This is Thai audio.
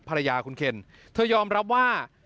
ภรรยาคุณเคนเธอยอมรับว่า